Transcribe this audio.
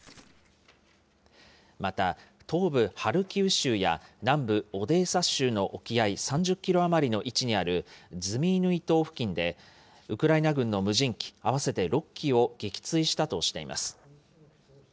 また東部ハルキウ州や南部オデーサ州の沖合３０キロ余りの位置にあるズミイヌイ島付近で、ウクライナ軍の無人機合わせて６機を撃墜したとしています。